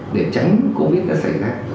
để tránh covid đã xảy ra